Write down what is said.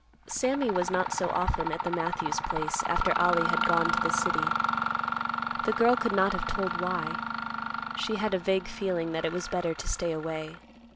Sammy was not so often at the Matthews place after Ollie had gone to the city. The girl could not have told why. She had a vague feeling that it was better to stay away.